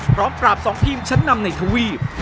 พร้อมปราบ๒ทีมชั้นนำในทวีป